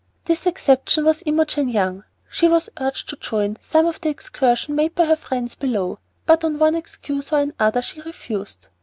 This exception was Imogen Young. She was urged to join some of the excursions made by her friends below, but on one excuse or another she refused.